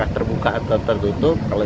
asap itu sambil jalan